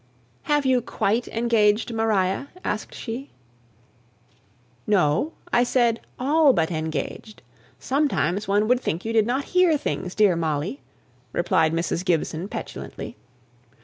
"Have you quite engaged Maria?" asked she. "No I said 'all but engaged.' Sometimes one would think you did not hear things, dear Molly!" replied Mrs. Gibson, petulantly.